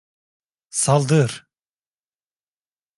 Saldır!